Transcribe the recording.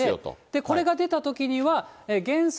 これが出たときには、原則、